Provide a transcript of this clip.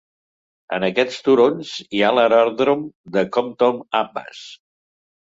En aquests turons hi ha l'aeròdrom de Compton Abbas.